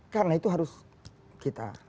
karena itu harus kita